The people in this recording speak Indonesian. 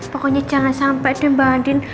pokoknya jangan sampe deh mbak andin